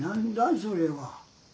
それは。